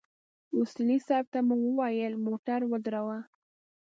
اصولي صیب ته مو وويل موټر ودروه.